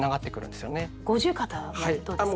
五十肩はどうですか？